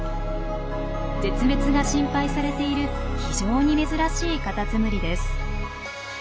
絶滅が心配されている非常に珍しいカタツムリです。